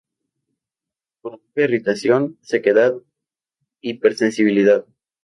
Provoca irritación, sequedad, hipersensibilidad.